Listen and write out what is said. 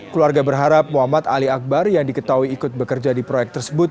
keluarga berharap muhammad ali akbar yang diketahui ikut bekerja di proyek tersebut